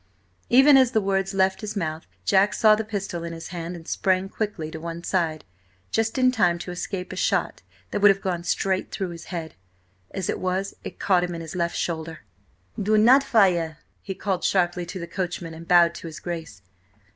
Even as the words left his mouth Jack saw the pistol in his hand and sprang quickly to one side, just in time to escape a shot that would have gone straight through his head. As it was, it caught him in his left shoulder "Do not fire!" he called sharply to the coachman, and bowed to his Grace.